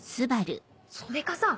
それかさ